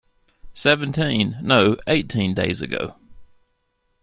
Seventeen, no, eighteen days ago.